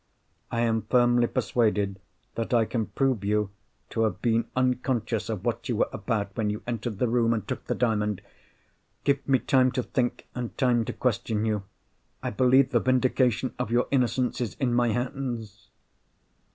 I am firmly persuaded that I can prove you to have been unconscious of what you were about, when you entered the room and took the Diamond. Give me time to think, and time to question you. I believe the vindication of your innocence is in my hands!"